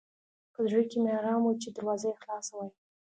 په زړه کې مې ارمان و چې دروازه یې خلاصه وای.